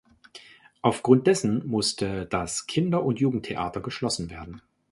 Auf Grund dessen musste das Kinder- und Jugendtheater geschlossen werden.